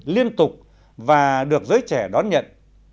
liên tục và được giới trẻ đón nhận